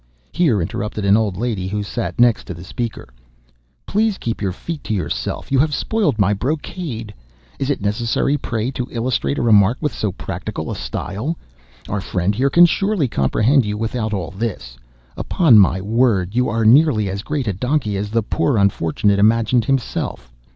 here interrupted an old lady, who sat next to the speaker. "Please keep your feet to yourself! You have spoiled my brocade! Is it necessary, pray, to illustrate a remark in so practical a style? Our friend here can surely comprehend you without all this. Upon my word, you are nearly as great a donkey as the poor unfortunate imagined himself.